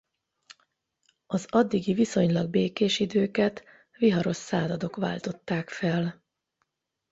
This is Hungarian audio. Az addigi viszonylag békés időket viharos századok váltották fel.